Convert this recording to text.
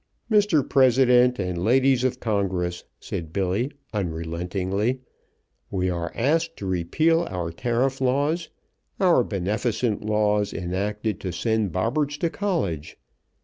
"Mr. President and Ladies of Congress," said Billy unrelentingly; "we are asked to repeal our tariff laws, our beneficent laws, enacted to send Bobberts to college.